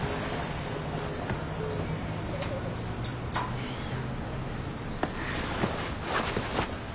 よいしょ。